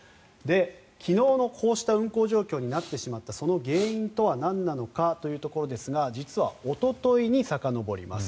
昨日のこうした運行状況になってしまった原因はなんなのかといことですが実はおとといにさかのぼります。